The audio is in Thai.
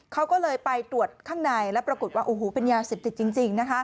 เขาก็เลยไปตรวจข้างในแล้วปรากฏว่าโอ้โหเป็นยาเสพติดจริง